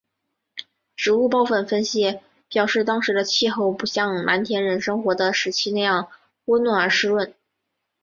植物孢粉分析表明当时的气候不像蓝田人生活的时期那样温暖而湿润。